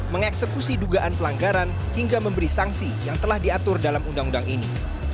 mengeksekusi dugaan pelanggaran hingga memberi sanksi yang telah diatur dalam undang undang ini